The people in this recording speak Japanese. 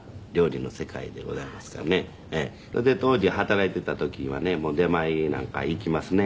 それで当時働いてた時はね出前なんか行きますね。